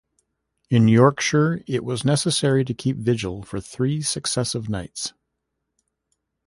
In Yorkshire it was necessary to keep vigil for three successive nights.